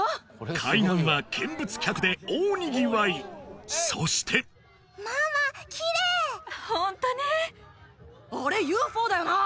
海岸は見物客で大にぎわいそしてママきれいホントねあれＵＦＯだよな